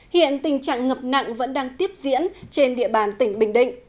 hiện tình trạng ngập nặng vẫn đang tiếp diễn trên địa bàn tỉnh bình định